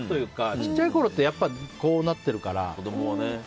小さいころってやっぱりこうなってるから。